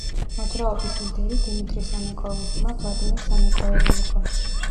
მოძრაობის ლიდერი დიმიტრი სანაკოევის ძმა ვლადიმერ სანაკოევი იყო.